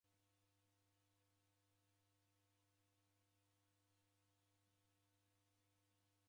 Malagho agho ghavavivirie w'andu ngolo seji ghiendie.